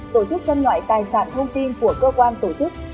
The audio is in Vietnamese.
tổ chức phân loại tài sản thông tin của cơ quan tổ chức